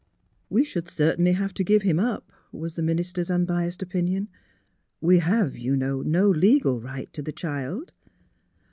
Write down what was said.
" We should certainly have to give him up," was the minister's unbiased opinion. '' We have, you know, no legal right to the child."